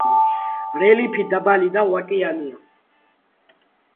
რელიეფი დაბალი და ვაკიანია.